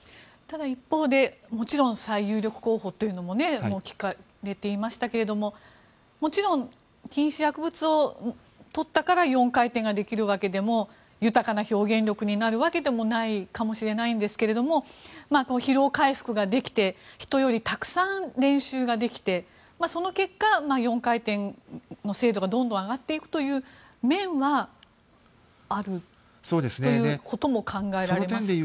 ただ一方で、もちろん最有力候補というのも聞かれていましたけれどももちろん禁止薬物をとったから４回転ができるわけでも豊かな表現力になるわけでもないかもしれないんですけど疲労回復ができて人よりたくさん練習ができてその結果、４回転の精度がどんどん上がっていくという面はあるということも考えられますか？